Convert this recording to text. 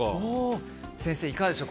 先生、いかがでしょう。